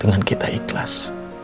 dengan kita ikhlas